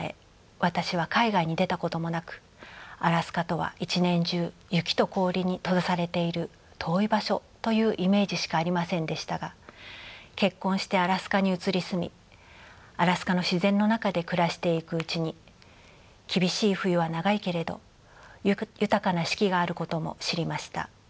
私は海外に出たこともなくアラスカとは一年中雪と氷に閉ざされている遠い場所というイメージしかありませんでしたが結婚してアラスカに移り住みアラスカの自然の中で暮らしていくうちに厳しい冬は長いけれど豊かな四季があることも知りました。